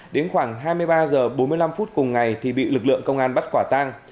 đến khoảng hai mươi ba h bốn mươi năm phút cùng ngày thì bị lực lượng công an bắt quả tang